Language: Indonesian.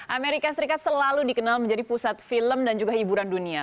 amerika serikat selalu dikenal menjadi pusat film dan juga hiburan dunia